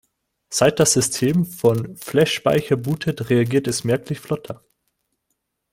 Seit das System von Flashspeicher bootet, reagiert es merklich flotter.